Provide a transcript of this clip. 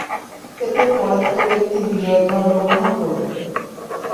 এতে পরাজিত ব্যক্তি বিজয়ীর ধর্ম গ্রহণ করবে।